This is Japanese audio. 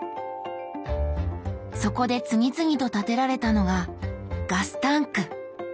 そこで次々と建てられたのがガスタンク。